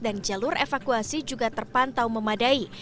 dan jalur evakuasi juga terpantau memadai